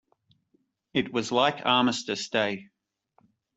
It was like Armistice Day.